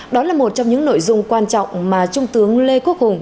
đó là một trong những nội dung quan trọng mà trung tướng lê quốc hùng